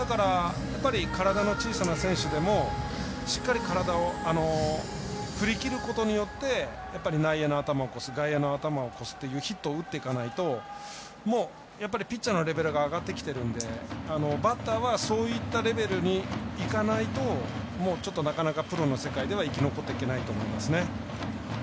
体の小さな選手でもしっかり体を振り切ることによって内野の頭を越す外野の頭を越すっていうヒットを打っていかないともうピッチャーのレベルが上がってきているのでバッターはそういったレベルにいかないとなかなかプロの世界では生き残っていけないと思いますね。